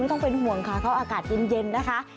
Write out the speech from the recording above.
ต้องเป็นห่วงค่ะเขาอากาศเย็นนะคะ